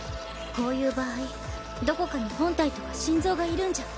こういう場合どこかに本体とか心臓がいるんじゃ。